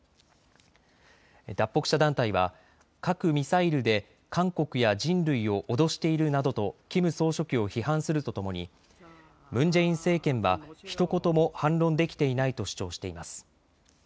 脱北者団体は核・ミサイルで韓国や人類を脅しているなどとキム総書記を批判するとともにムン・ジェイン政権はひと言も反論できていないと主張しています。